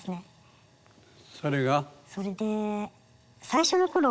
それが？